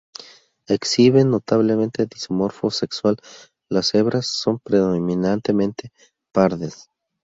Exhiben notable dimorfismo sexual, las hebras son predominantemente pardas.